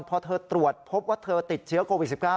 พอเธอตรวจพบว่าเธอติดเชื้อโควิด๑๙